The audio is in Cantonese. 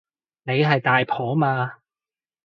你係大婆嘛